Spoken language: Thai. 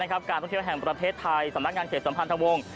การท่องเที่ยวแห่งประเทศไทยสำนักงานเขตสัมพันธวงศ์